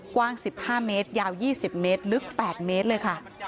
กว้างสิบห้าเมตรยาวยี่สิบเมตรลึกแปดเมตรเลยค่ะ